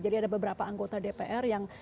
jadi ada beberapa anggota dpr yang ketika itu